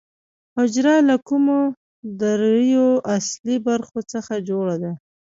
حجره له کومو درېیو اصلي برخو څخه جوړه ده